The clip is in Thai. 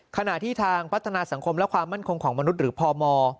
ขณะที่ทางพัฒนาสังคมและความมั่นคงของมนุษย์หรือพม